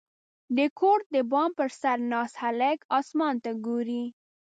• د کور د بام پر سر ناست هلک اسمان ته ګوري.